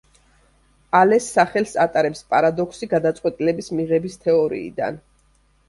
ალეს სახელს ატარებს პარადოქსი გადაწყვეტილების მიღების თეორიიდან.